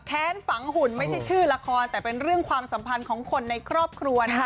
ฝังหุ่นไม่ใช่ชื่อละครแต่เป็นเรื่องความสัมพันธ์ของคนในครอบครัวนะคะ